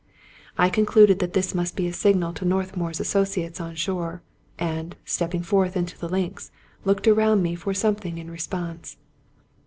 I concluded that this must be a signal to North mour's associates on shore; and, stepping forth into the links, looked around me for something in response.